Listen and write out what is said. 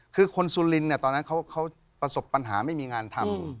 คือคนสุรินตอนนั้นเขาประสบปัญหาไม่มีงานทำ